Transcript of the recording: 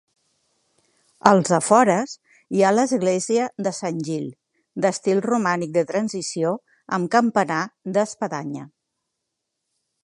Als afores hi ha l'església de Sant Gil, d'estil romànic de transició amb campanar d'espadanya.